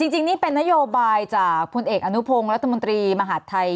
จริงนี่เป็นนโยบายจากพลเอกอนุพงศ์รัฐมนตรีมหาดไทย